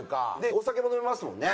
お酒も飲めますもんね？